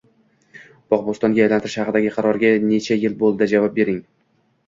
bog‘-bo‘stonga aylantirish haqidagi qaroriga necha yil bo‘ldi? Javob bering?